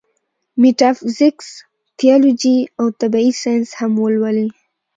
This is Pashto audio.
ميټافزکس ، تيالوجي او طبعي سائنس هم ولولي